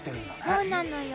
そうなのよ。